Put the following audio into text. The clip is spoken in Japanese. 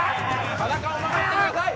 田中を守ってください。